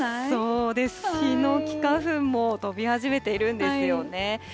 そうです、ヒノキ花粉も飛び始めているんですよね。